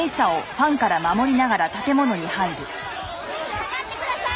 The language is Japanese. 下がってください！